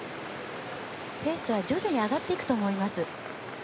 ペースは徐々に上がっていくと思います。